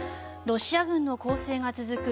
ロシア軍の攻勢が続く